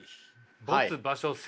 没場所性。